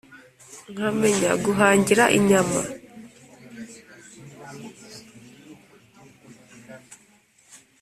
Nkamenya guhangira inyama!